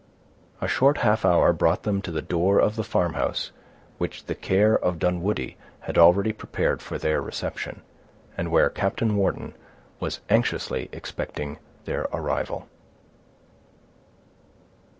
A short half hour brought them to the door of the farmhouse which the care of Dunwoodie had already prepared for their reception, and where Captain Wharton was anxiously expecting their arrival.